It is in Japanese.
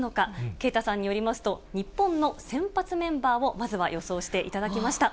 啓太さんによりますと、日本の先発メンバーを、まずは予想していただきました。